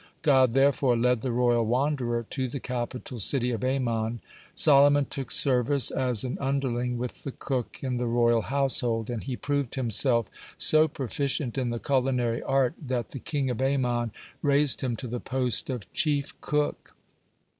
God therefore led the royal wanderer to the capital city of Ammon. (90) Solomon took service as an underling with the cook in the royal household, and he proved himself so proficient in the culinary art that the king of Ammon raised him to the post of chief cook.